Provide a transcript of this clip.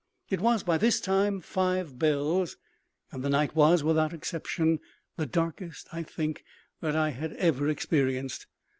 It was by this time "five bells;" and the night was, without exception, the darkest, I think, that I had ever experienced.